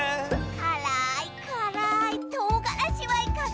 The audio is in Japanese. からいからいとうがらしはいかが？